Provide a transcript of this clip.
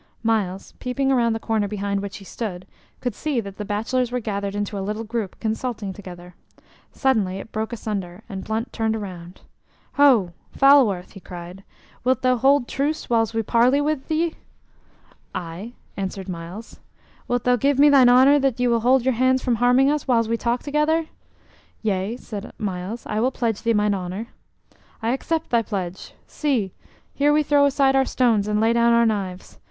Myles, peeping around the corner behind which he stood, could see that the bachelors were gathered into a little group consulting together. Suddenly it broke asunder, and Blunt turned around. "Ho, Falworth!" he cried. "Wilt thou hold truce whiles we parley with ye?" "Aye," answered Myles. "Wilt thou give me thine honor that ye will hold your hands from harming us whiles we talk together?" "Yea," said Myles, "I will pledge thee mine honor." "I accept thy pledge. See! here we throw aside our stones and lay down our knives.